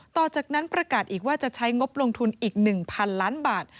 ต่อจากนั้นประกาศอีกว่าจะใช้งบลงทุนอีก๑๐๐๐ล้านบาท